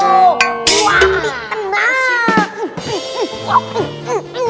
wah di tengah